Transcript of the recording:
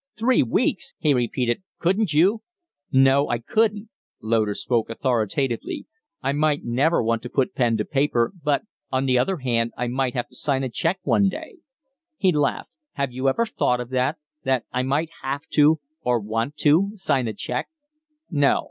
"Three weeks!" he repeated. "Couldn't you ?" "No; I couldn't." Loder spoke authoritatively. "I might never want to put pen to paper, but, on the other hand, I might have to sign a check one day." He laughed. "Have you ever thought of that? that I might have to, or want to, sign a check?" "No.